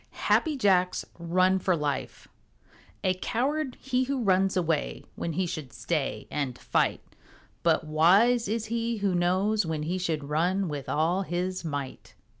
HAPPY JACK'S RUN FOR LIFE A coward he who runs away When he should stay and fight, But wise is he who knows when he Should run with all his might.